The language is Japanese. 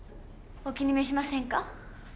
お気に召しませんか？